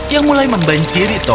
yang mulai membuat sapu mulai merosot